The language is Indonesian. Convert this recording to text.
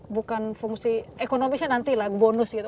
bukan fungsi ekonomisnya nanti lah bonus gitu